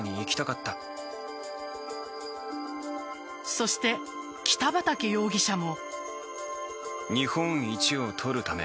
そして、北畠容疑者も。